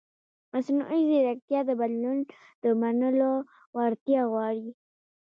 مصنوعي ځیرکتیا د بدلون د منلو وړتیا غواړي.